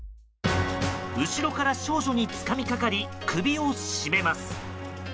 後ろから少女につかみかかり首を絞めます。